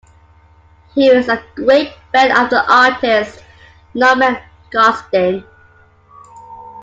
He was a great friend of the artist Norman Garstin.